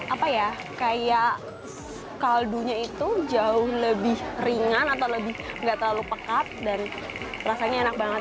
apa ya kayak kaldunya itu jauh lebih ringan atau lebih nggak terlalu pekat dan rasanya enak banget